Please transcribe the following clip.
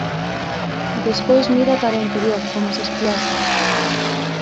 Despois mira cara ó interior, coma se espiase.